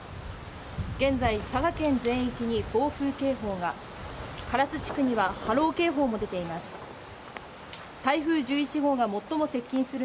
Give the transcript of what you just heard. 現在、佐賀県全域に暴風警報が唐津地区には波浪警報も出ています。